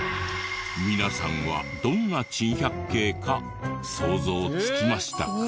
皆さんはどんな珍百景か想像つきましたか？